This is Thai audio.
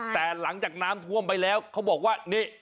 แต่หลังจากน้ำท่วมไปแล้วเขาบอกว่านี่